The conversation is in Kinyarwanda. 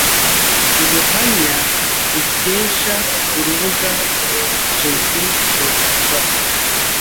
Ubuhamya dukesha urubuga jesus.rw